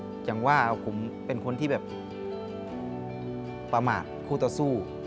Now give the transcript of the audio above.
แต่อย่างว่าผมเป็นคนที่อะไรประมาทผู้ตสู้